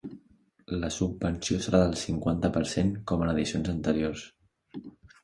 La subvenció serà del cinquanta per cent com en edicions anteriors.